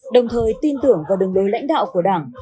đồng thời tin tưởng vào đường lối lãnh đạo của đảng